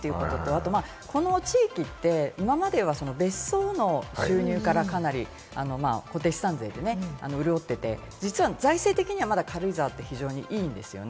またこの地域って今までは別荘の収入から、かなり固定資産税で潤っていて、実は財政的にはまだ軽井沢っていいんですよね。